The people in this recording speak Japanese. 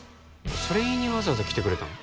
それ言いにわざわざ来てくれたの？